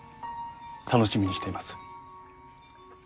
楽しみにしています。